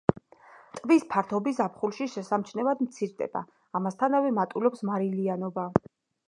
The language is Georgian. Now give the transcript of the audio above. ტბის ფართობი ზაფხულში შესამჩნევად მცირდება, ამასთანავე მატულობს მარილიანობა.